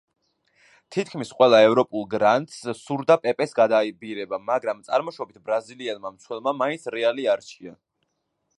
თითქმის ყველა ევროპულ გრანდს სურდა პეპეს გადაბირება, მაგრამ წარმოშობით ბრაზილიელმა მცველმა მაინც „რეალი“ აირჩია.